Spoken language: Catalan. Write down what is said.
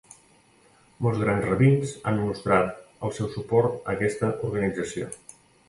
Molts grans rabins han mostrat el seu suport a aquesta organització.